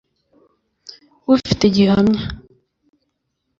ufite gihamya